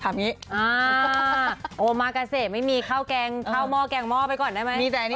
อ่าอออโอมากาเซ่ไม่มีข้าวว่าแกงข้าวหม้อแกงม่อไปก่อนได้ไหม